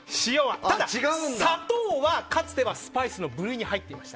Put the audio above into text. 砂糖はかつてはスパイスの部類に入っていました。